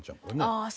ああ